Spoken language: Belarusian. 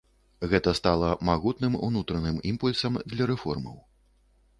Гэта стала магутным унутраным імпульсам для рэформаў.